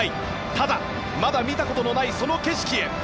ただ、まだ見たことのないその景色へ。